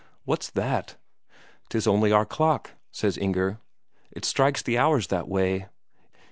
"What's that?" "'Tis only our clock," says Inger. "It strikes the hours that way."